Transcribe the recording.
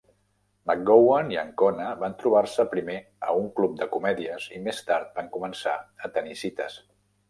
McGowan i Ancona van trobar-se primer a un club de comèdies i més tard van començar a tenir cites.